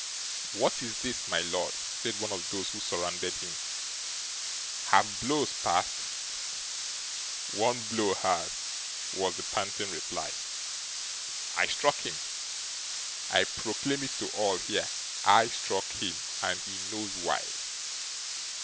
'What is this, my lord?' said one of those who surrounded him. 'Have blows passed?' 'ONE blow has,' was the panting reply. 'I struck him. I proclaim it to all here! I struck him, and he knows why.